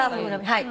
はい。